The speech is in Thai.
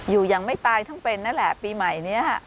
อยู่อย่างไม่ตายทั้งเป็นนั่นแหละปีใหม่นี้